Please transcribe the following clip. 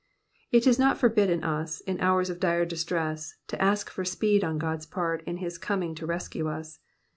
'"' It is not forbidden us, m hours of dire distress, to ask for speed on God's part in his coming to rescue us.